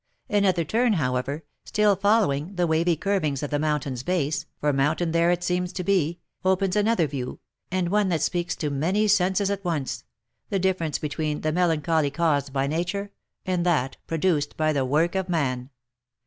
Another turn, however, still following the wavy curvings of the mountain's base, for mountain there it seems to be, opens another view, and one that speaks to many senses at once, the difference between the melan choly caused by nature, and that produced by the work of man.